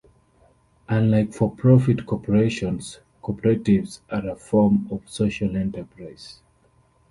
Unlike for-profit corporations, co-operatives are a form of social enterprise.